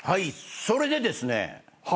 それでですね。